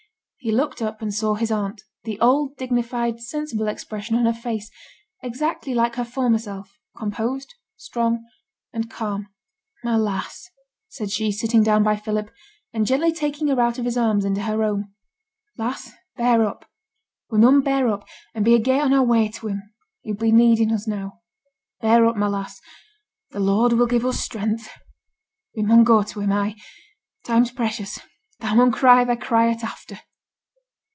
He looked up and saw his aunt; the old dignified, sensible expression on her face, exactly like her former self, composed, strong, and calm. 'My lass,' said she, sitting down by Philip, and gently taking her out of his arms into her own. 'Lass, bear up! we mun bear up, and be agait on our way to him, he'll be needing us now. Bear up, my lass! the Lord will give us strength. We mun go to him; ay, time's precious; thou mun cry thy cry at after!'